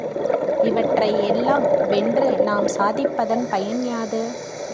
இவற்றை எல்லாம் வென்று நாம் சாதிப்பதன் பயன் யாது?